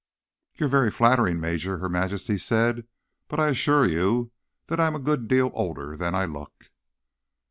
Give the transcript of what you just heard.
"You're very flattering, Major," Her Majesty said. "But I assure you that I'm a good deal older than I look."